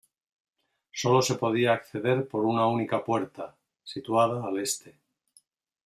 Solo se podía acceder por una única puerta, situada al este.